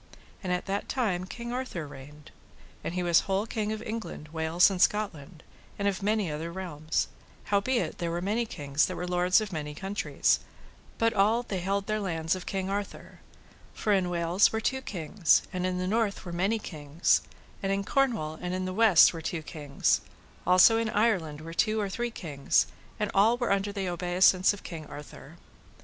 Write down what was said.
And at that time King Arthur reigned, and he was whole king of England, Wales, and Scotland, and of many other realms: howbeit there were many kings that were lords of many countries, but all they held their lands of King Arthur; for in Wales were two kings, and in the north were many kings; and in Cornwall and in the west were two kings; also in Ireland were two or three kings, and all were under the obeissance of King Arthur.